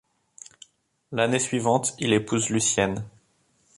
L'année suivante, il épouse Lucienne.